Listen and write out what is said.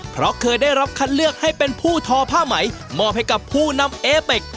เพราะเคยได้รับคัดเลือกให้เป็นผู้ทอผ้าไหมมอบให้กับผู้นำเอเป็ก